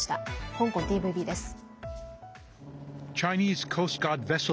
香港ＴＶＢです。